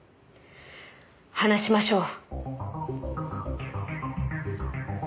話しましょう。